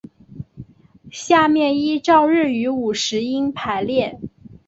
下面依照日语五十音排列。